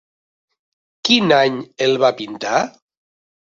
Quin any el va pintar?